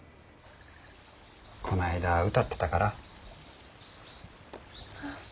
こないだ歌ってたから。